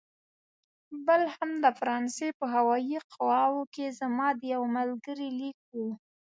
بل هم د فرانسې په هوايي قواوو کې زما د یوه ملګري لیک و.